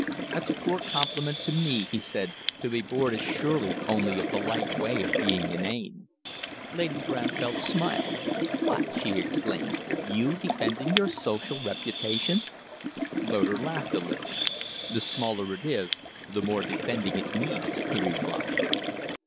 "That's a poor compliment to me," he said "To be bored is surely only a polite way of being inane." Lady Bramfell smiled. "What!" she exclaimed. "You defending your social reputation?" Loder laughed a little. "The smaller it is, the more defending it needs," he replied.